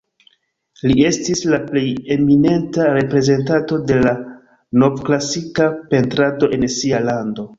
Li estis la plej eminenta reprezentanto de la novklasika pentrado en sia lando.